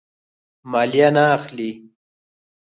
مالیه نه اخلي.